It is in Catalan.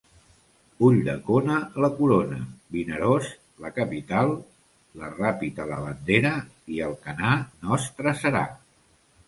Ulldecona, la corona; Vinaròs, la capital; la Ràpita, la bandera, i Alcanar nostre serà.